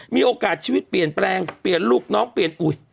มีโอกาสชีวิตเปลี่ยนแปลงเปลี่ยนลูกน้องเปลี่ยนอุ๋ย